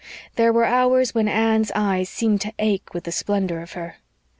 There were hours when Anne's eyes seemed to ache with the splendor of her.